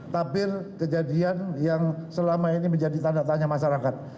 tapir kejadian yang selama ini menjadi tanda tanya masyarakat